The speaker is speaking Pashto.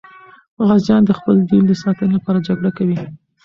غازیان د خپل دین د ساتنې لپاره جګړه کوي.